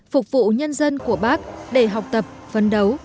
phục vụ nhân dân của bác để học tập phấn đấu